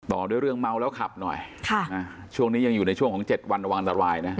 ต่อด้วยเรื่องเมาแล้วขับหน่อยช่วงนี้ยังอยู่ในช่วงของ๗วันระวังอันตรายนะ